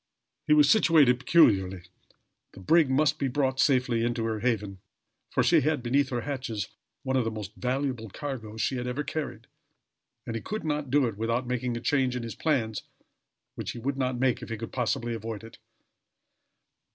He was situated peculiarly. The brig must be brought safely into her haven, for she had beneath her hatches one of the most valuable cargoes she had ever carried and he could not do it without making a change in his plans which he would not make if he could possibly avoid it.